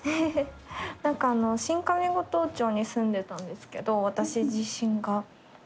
何かあの新上五島町に住んでたんですけど私自身が。